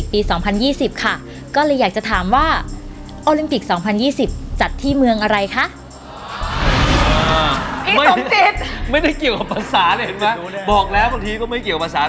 บอกแล้วบางทีก็ไม่เกี่ยวกับภาษา